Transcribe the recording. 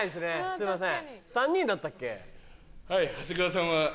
すいません。